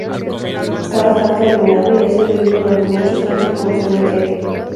Está bastante arruinado y ha servido durante muchos años como cementerio.